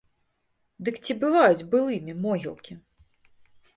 Дык ці бываюць былымі могілкі?